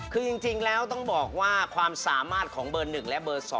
คือจริงแล้วต้องบอกว่าความสามารถของเบอร์๑และเบอร์๒